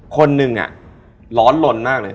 คนหนึ่งร้อนลนมากเลย